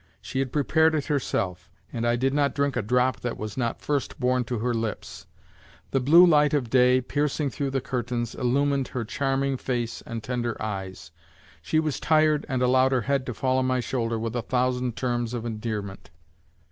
She had prepared it herself and I did not drink a drop that was not first borne to her lips. The blue light of day, piercing through the curtains, illumined her charming face and tender eyes; she was tired and allowed her head to fall on my shoulder with a thousand terms of endearment.